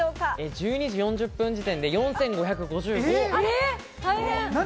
１２時４０分時点で４５５５。